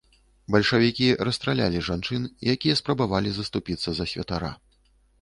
Бальшавікі расстралялі жанчын, якія спрабавалі заступіцца за святара.